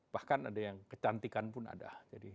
bahkan ada yang kecantikan pun ada